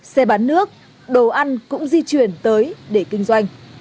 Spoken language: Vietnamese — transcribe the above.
xe bán nước đồ ăn cũng di chuyển tới để kinh doanh